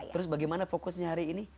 terus bagaimana fokusnya hari ini